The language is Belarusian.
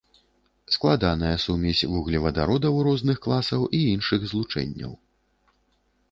Складаная сумесь вуглевадародаў розных класаў і іншых злучэнняў.